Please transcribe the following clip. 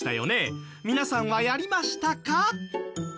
皆さんはやりましたか？